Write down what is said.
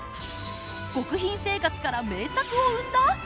極貧生活から名作を生んだ！？